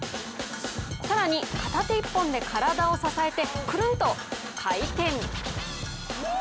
更に片手一本で体を支えてくるんと回転。